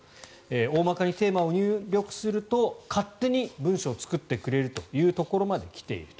大まかにテーマを入力すると勝手に文章を作ってくれるというところまで来ている。